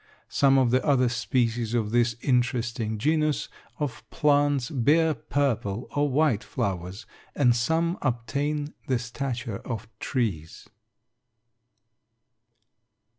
Some of the other species of this interesting genus of plants bear purple or white flowers, and some obtain the stature of trees.